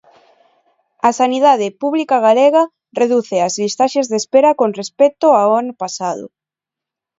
A Sanidade pública galega reduce as listaxes de espera con respecto ao ano pasado.